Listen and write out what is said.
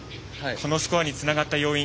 このスコアにつながった要因